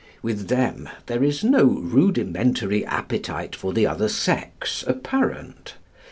With them there is no rudimentary appetite for the other sex apparent.